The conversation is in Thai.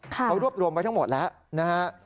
เขารวบรวมไว้ทั้งหมดแล้วนะฮะ